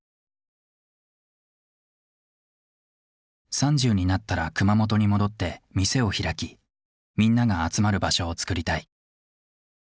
３０になったら熊本に戻って店を開きみんなが集まる場所をつくりたい。